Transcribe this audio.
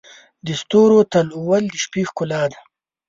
د ستورو تلؤل د شپې ښکلا ده.